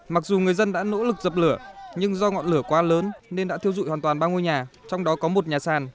mặc dù người dân đã nỗ lực dập lửa nhưng do ngọn lửa quá lớn nên đã thiêu dụi hoàn toàn ba ngôi nhà trong đó có một nhà sàn